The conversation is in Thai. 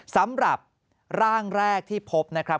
สำหรับร่างแรกที่พบนะครับ